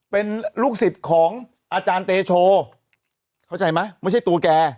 เป็นลูกศิษย์ของอาจารย์เตโชเข้าใจไหมไม่ใช่ตัวแก